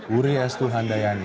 wuri estuhan dayani